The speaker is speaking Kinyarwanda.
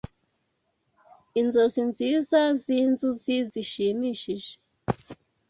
Inzozi nziza zinzuzi zishimishije